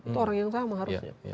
itu orang yang sama harusnya